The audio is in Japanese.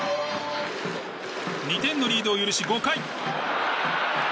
２点のリードを許し５回。